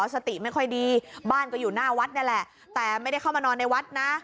สติไม่ค่อยดีบ้านก็อยู่หน้าวัดนี่แหละแต่ไม่ได้เข้ามานอนในวัดนะ